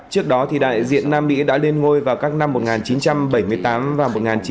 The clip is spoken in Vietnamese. trước đó thì đại diện nam mỹ đã lên ngôi vào các năm một nghìn chín trăm bảy mươi tám và một nghìn chín trăm tám mươi sáu